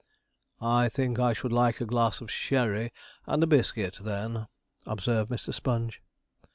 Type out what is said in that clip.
'I think I should like a glass of sherry and a biscuit, then,' observed Mr. Sponge.